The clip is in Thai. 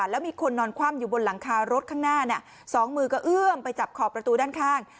แล้วมีคนนอนคว่ำอยู่บนหลังคารถข้างหน้าสองมือก็เอื้อมไปจับขอบประตูด้านข้าง